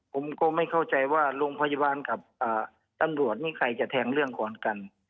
ผมก็ไม่เข้าใจว่าโรงพยาบาลกับตำรวจนี่ใครจะแทงเรื่องก่อนกัน